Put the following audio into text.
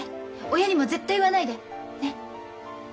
親にも絶対言わないで。ね？